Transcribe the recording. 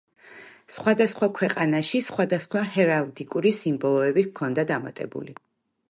სხვადასხვა ქვეყანაში სხვადასხვა ჰერალდიკური სიმბოლოები ჰქონდა დამატებული.